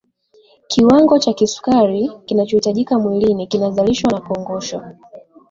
kiwango cha kusukari kinachohitajika mwilini kinazalishwa na kongosho